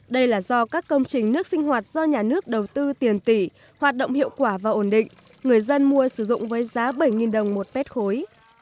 đây là do các công trình nước sinh hoạt do nhà nước đầu tư tiền tỷ hoạt động hiệu quả và ổn định người dân mua sử dụng với giá bảy đồng một mét khối